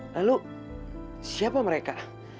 lalu siapa mereka